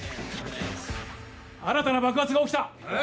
新たな爆発が起きた。